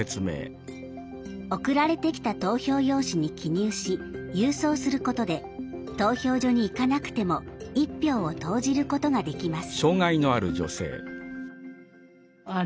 送られてきた投票用紙に記入し郵送することで投票所に行かなくても１票を投じることができます。